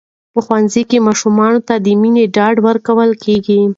په ښوونځي کې ماشومانو ته د مینې ډاډ ورکول کېږي.